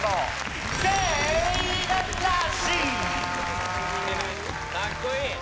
かっこいい！